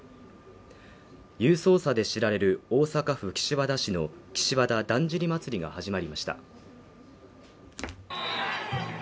勇壮さで知られる大阪府岸和田市の岸和田だんじり祭が始まりました